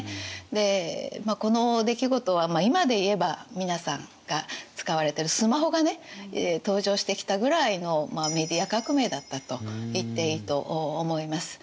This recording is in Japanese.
でこの出来事は今でいえば皆さんが使われてるスマホがね登場してきたぐらいのメディア革命だったと言っていいと思います。